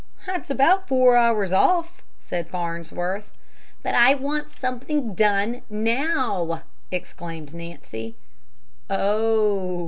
"That's about four hours off," said Farnsworth. "But I want something done now!" exclaimed Nancy. "Oh!"